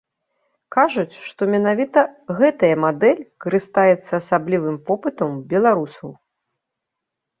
Кажуць, што менавіта гэтая мадэль карыстаецца асаблівым попытам ў беларусаў.